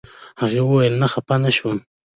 هغې ویل نه خپه نه شوم.